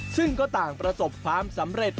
ซึ่งก็ต่างประสบความสำเร็จ